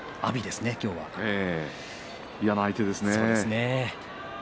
嫌な相手ですね。